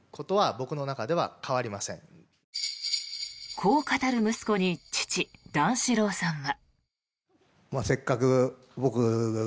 こう語る息子に父・段四郎さんは。